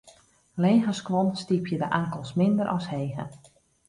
Lege skuon stypje de ankels minder as hege.